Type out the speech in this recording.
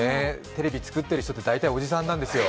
テレビ作っている人って大体おじさんなんですよ。